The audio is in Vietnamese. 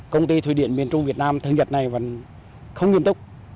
công ty thủy điện miền trung việt nam thường nhật này vẫn không nghiêm túc